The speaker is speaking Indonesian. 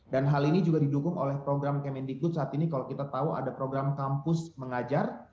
dan hal ini juga didukung oleh program kemendikut saat ini kalau kita tahu ada program kampus mengajar